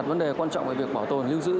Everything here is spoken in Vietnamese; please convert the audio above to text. vấn đề quan trọng về việc bảo tồn lưu giữ